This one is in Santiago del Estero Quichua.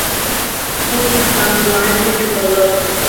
kuchis kanku ancha chupadores